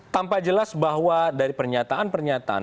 tanpa jelas bahwa dari pernyataan pernyataan